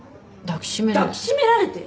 抱き締められて？